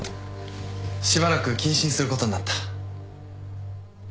しばらく謹慎することになった。